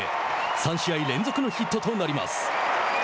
３試合連続のヒットとなります。